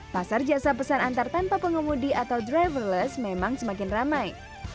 pasar jasa pesan antar tanpa pengemudi atau driverless memang semakin ramai